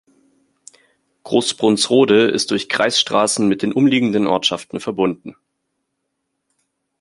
Groß Brunsrode ist durch Kreisstraßen mit den umliegenden Ortschaften verbunden.